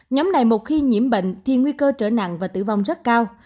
nhóm này một khi nhiễm bệnh thì nguy cơ trở nặng và tử vong rất cao